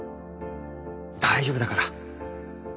大丈夫だから。